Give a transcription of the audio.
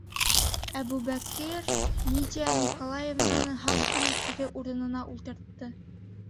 - Әбүбәкер Лидия Николаевнаны һаҡ ҡына кире урынына ултыртты.